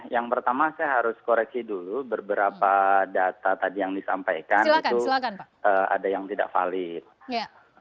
yang pertama saya harus koreksi dulu beberapa data tadi yang disampaikan itu ada yang tidak valid